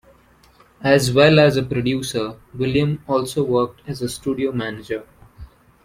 As well as a producer, William also worked as a studio manager.